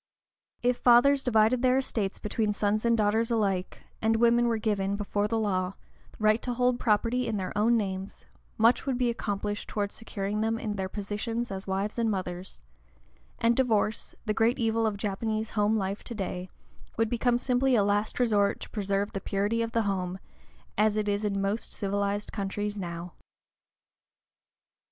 If fathers divided their estates between sons and daughters alike, and women were given, before the law, right to hold property in their own names, much would be accomplished towards securing them in their positions as wives and mothers; and divorce, the great evil of Japanese home life to day, would become simply a last resort to preserve the purity of the home, as it is in most civilized countries now.